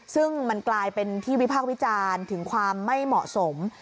ซึ่งมันกลายเป็นที่วิพากษ์วิจารณ์ถึงความไม่เหมาะสม